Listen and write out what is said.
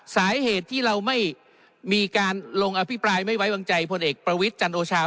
สาเหตุที่เราไม่มีการลงอภิปรายไม่ไว้วางใจพลเอกประวิทย์จันโอชา